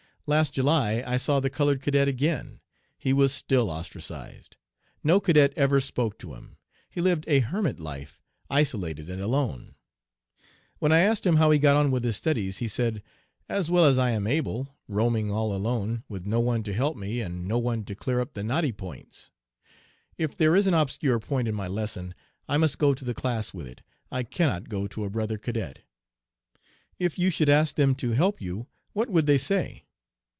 "Last July I saw the colored cadet again. He was still ostracized. No cadet ever spoke to him. He lived a, hermit life, isolated and alone. "When I asked him how he got on with his studies he said: 'As well as I am able, roaming all alone, with no one to help me and no one to clear up the knotty points. If there is an obscure point in my lesson I must go to the class with it. I cannot go to a brother cadet.' "'If you should ask them to help you what would they say?'